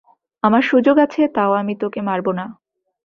আমার সুযোগ আছে, তাও আমি তোকে মারব না!